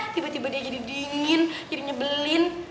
tiba tiba dia jadi dingin jadi nyebelin